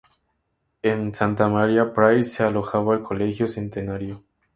En Santa María, Price se alojaba en el Colegio Centenario.